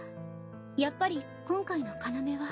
やっぱり今回の要は。